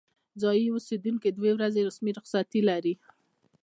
ځايي اوسیدونکي دوې ورځې رسمي رخصتي لري.